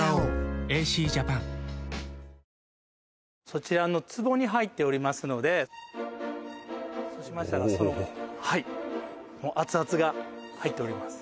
そちらの壺に入っておりますのでそうしましたらそのはいおおおアツアツが入っております